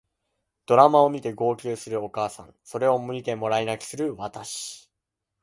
ドラマを見て号泣するお母さんそれを見てもらい泣きする私